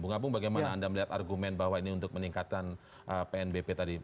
bung apung bagaimana anda melihat argumen bahwa ini untuk meningkatkan pnbp tadi